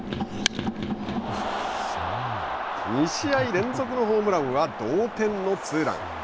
２試合連続のホームランは同点のツーラン。